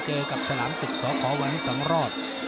เจอกับฉาลามศิษย์สขววัน๒รอบ